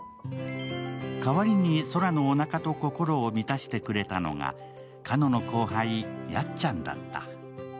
代わりに宙のおなかと心を満たしてくれたのが花野の後輩・やっちゃんだった。